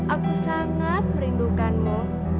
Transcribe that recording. aku sangat merindukanmu